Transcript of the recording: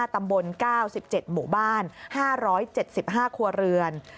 ตำบล๙๗หมู่บ้าน๕๗๕ครัวเรือน